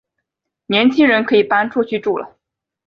年轻人可以搬出去住了